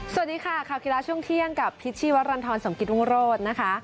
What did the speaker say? สวัสดีค่ะข่าวกีฬาช่วงเที่ยงกับพิษชีวรรณฑรสมกิตรุงโรธนะคะ